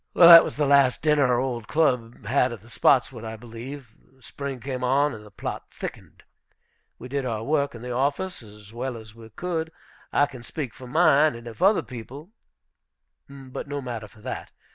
That was the last dinner our old club had at the Spotswood, I believe. The spring came on, and the plot thickened. We did our work in the office as well as we could; I can speak for mine, and if other people but no matter for that!